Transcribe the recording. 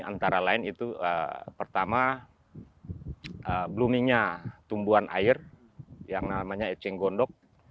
antara lain itu pertama bloomingnya tumbuhan air yang namanya eceng gondok